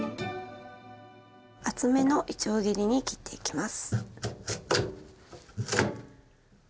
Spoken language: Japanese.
厚めのいちょう切りに切っていきます。